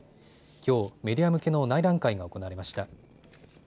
きょう、メディア向けの内覧会が行われました。